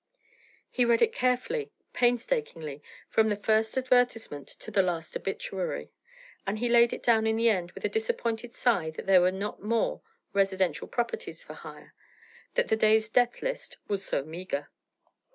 He read it carefully, painstakingly, from the first advertisement to the last obituary; and he laid it down in the end with a disappointed sigh that there were not more residential properties for hire, that the day's death list was so meagre.